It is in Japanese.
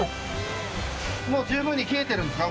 もう十分に冷えてるんですか？